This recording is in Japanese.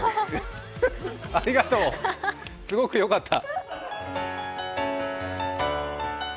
ありがとう、すごくよかった。